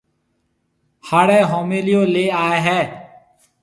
ھاݪِي ھوميݪيو ليَ آئيَ ھيََََ